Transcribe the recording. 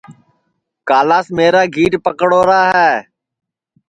کالاس میرا گھیٹ پکڑوڑا ہے